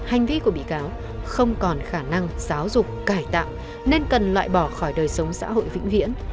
hành vi của bị cáo không còn khả năng giáo dục cải tạo nên cần loại bỏ khỏi đời sống xã hội vĩnh viễn